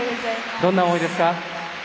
どんな思いですか？